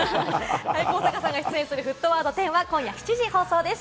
上坂さんが出演する『沸騰ワード１０』は今夜７時放送です。